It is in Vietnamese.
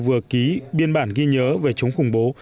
vừa ký biên bản ghi nhớ về chống khủng bố